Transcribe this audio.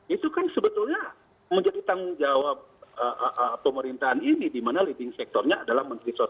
itu kan sebetulnya menjadi tanggung jawab pemerintahan ini di mana leading sectornya adalah menteri sosial